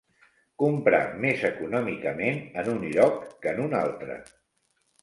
Comprar més econòmicament en un lloc que en un altre.